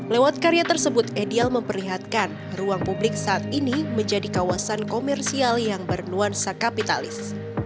lewat karya tersebut edial memperlihatkan ruang publik saat ini menjadi kawasan komersial yang bernuansa kapitalis